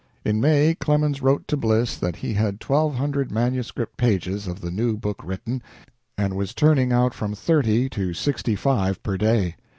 In May, Clemens wrote to Bliss that he had twelve hundred manuscript pages of the new book written and was turning out from thirty to sixty five per day.